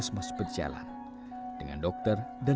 karena kita mendapatkan bantuan